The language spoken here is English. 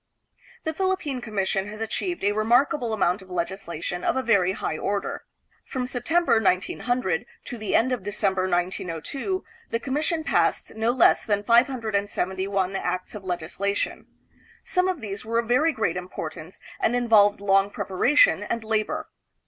The Philippine Commission has achieved a remarkable amount of legislation of a very high order. From Sep tember, 1900, to the end of December, 1902, the com mission passed no less than 571 acts of legislation. Some of these were of very great importance and involved long preparation and labor.